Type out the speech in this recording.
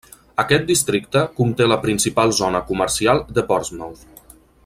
Aquest districte conté la principal zona comercial de Portsmouth.